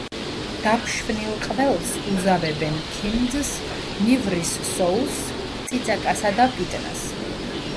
დაფშვნილ ყველს უზავებენ ქინძს, ნივრის სოუსს, წიწაკასა და პიტნას.